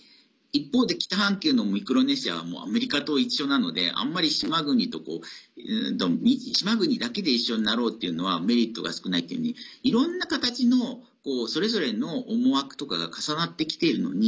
一方で北半球のミクロネシアもアメリカと一緒なのであんまり島国だけで一緒になろうというのはメリットが少ないというふうにいろんな形のそれぞれの思惑とかが重なってきているのに